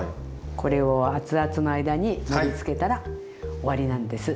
これをあつあつの間に盛りつけたら終わりなんです。